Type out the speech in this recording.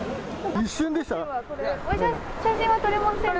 一瞬でしたね。